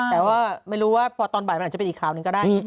แต่ว่าไม่รู้ว่าพอตอนบ่ายมันอาจจะเป็นอีกข่าวหนึ่งก็ได้